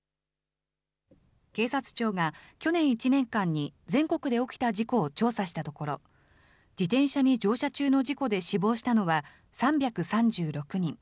警察庁が去年１年間に全国で起きた事故を調査したところ、自転車に乗車中の事故で死亡したのは３３６人。